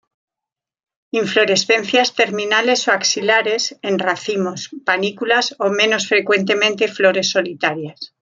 Inflorescencias terminales o axilares, en racimos, panículas o menos frecuentemente flores solitarias.